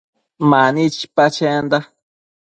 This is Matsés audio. Mani chipa chenda